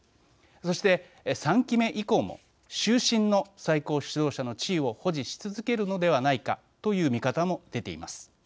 そして３期目以降も終身の最高指導者の地位を保持し続けるのではないかという見方も出ています。